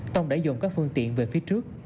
tông đã dồn các phương tiện về phía trước